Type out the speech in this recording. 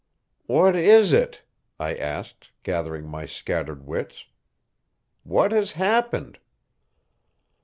"What is it?" I asked, gathering my scattered wits. "What has happened?"